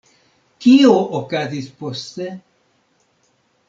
Kio okazis poste?